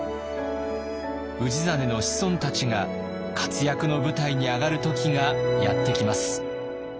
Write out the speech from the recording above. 氏真の子孫たちが活躍の舞台に上がる時がやって来ます。